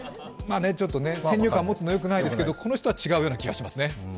先入観を持つのはよくないですけど、この人は違うような気がしますね。